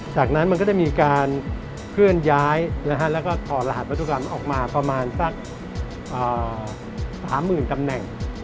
จากนั้นมันก็จะมีการเคลื่อนย้ายแล้วก็ถอดรหัสพันธุกรรมออกมาประมาณสัก๓๐๐๐ตำแหน่ง